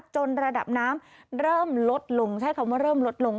ระดับน้ำเริ่มลดลงใช้คำว่าเริ่มลดลง